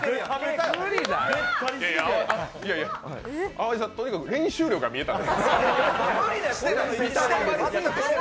淡路さん、とにかく練習量が見えた。